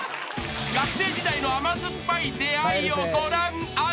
［学生時代の甘酸っぱい出会いをご覧あれ］